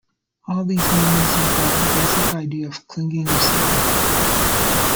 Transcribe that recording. All these meanings involve the basic idea of clinging or sticking.